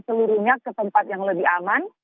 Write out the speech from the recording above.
seluruhnya ke tempat yang lebih aman